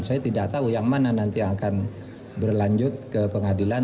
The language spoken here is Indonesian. saya tidak tahu yang mana nanti akan berlanjut ke pengadilan